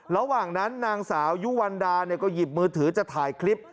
ระหว่างนั้นนางสาวยุวันดาก็หยิบมือถือจะถ่ายคลิป